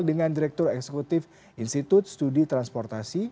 dengan direktur eksekutif institut studi transportasi